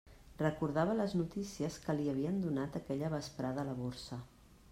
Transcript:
Recordava les notícies que li havien donat aquella vesprada a la Borsa.